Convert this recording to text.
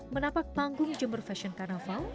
menapak panggung jember fashion carnaval